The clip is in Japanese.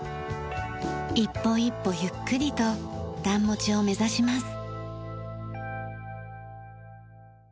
一歩一歩ゆっくりと段持ちを目指します。